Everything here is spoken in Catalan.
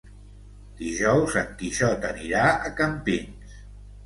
Dijous en Quixot anirà a Campins.